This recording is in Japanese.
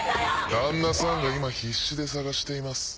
旦那さんが今必死で捜しています。